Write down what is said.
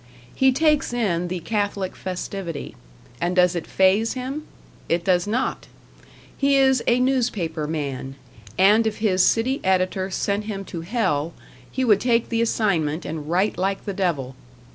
He takes in the Catholic festivity; and does it phaze him? It does not! He is a newspaper man, and if his city editor sent him to hell, he would take the assignment and write like the devil.